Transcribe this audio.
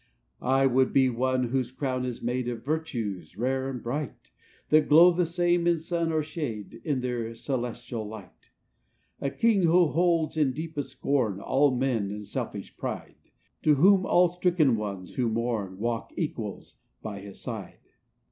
"I would be one whose crown is made Of virtues, rare and bright; That glow the same in sun or shade, In their celestial light. v "A king, who holds in deepest scorn All mean and selfish pride; To whom all stricken ones who mourn, Walk equals by his side.